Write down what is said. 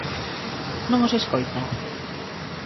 Non os escoita?